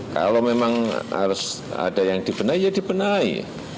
kalau memang harus ada yang dibenahi ya dibenahi